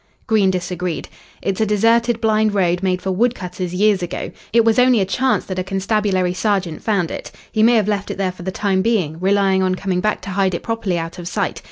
Green disagreed. "It's a deserted, blind road made for wood cutters years ago. It was only a chance that a constabulary sergeant found it. He may have left it there for the time being, relying on coming back to hide it properly out of sight.